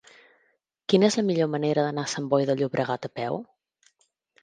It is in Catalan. Quina és la millor manera d'anar a Sant Boi de Llobregat a peu?